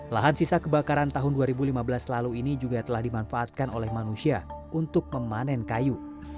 lahan sisa kebakaran tahun dua ribu lima belas lalu ini juga telah dimanfaatkan oleh manusia untuk memanen kayu